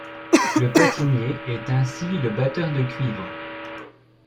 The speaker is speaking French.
Le patinier est ainsi le batteur de cuivre.